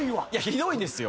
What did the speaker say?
ひどいんですよ